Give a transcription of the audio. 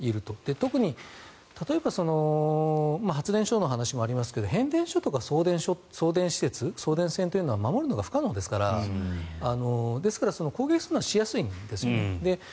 特に、例えば発電所の話もありますが変電所とか送電施設、送電線というのは守るのが不可能ですからですから攻撃するのはしやすいんですよね。